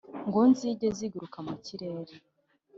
ngo zijye ziguruka mu kirere